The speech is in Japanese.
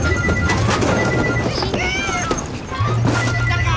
誰か！